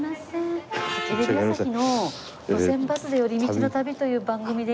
テレビ朝日の『路線バスで寄り道の旅』という番組で今。